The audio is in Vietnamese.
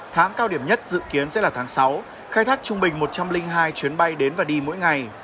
tháng cao điểm nhất dự kiến sẽ là tháng sáu khai thác trung bình một trăm linh hai chuyến bay đến và đi mỗi ngày